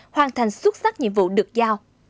hoàn thành xuất sắc nhiệm vụ được giao